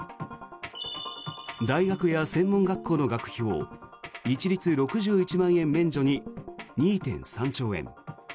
大学や専門学校の学費を一律６１万円免除に２．３兆円。